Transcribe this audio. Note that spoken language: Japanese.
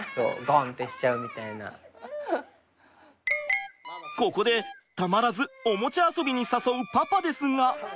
ここでたまらずおもちゃ遊びに誘うパパですが。